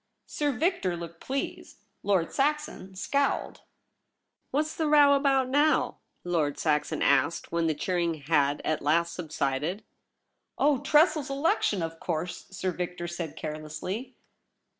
Sir Victor looked pleased ; Lord Saxon scowled. * What's the row about now ?' Lord Saxon asked, when the cheering had at last sub sided. ' Oh, Tressel's election, of course !' Sir Victor said carelessly.